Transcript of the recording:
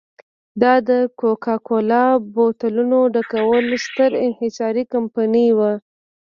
دا د کوکا کولا بوتلونو ډکولو ستره انحصاري کمپنۍ وه.